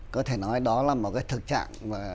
có thể nói đó là một thực trạng